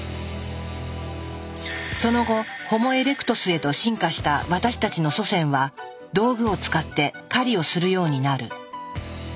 その後ホモ・エレクトスへと進化した私たちの祖先は道具を使って狩りをするようになる。